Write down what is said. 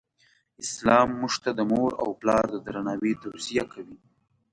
اسلام مونږ ته د مور او پلار د درناوې توصیه کوی.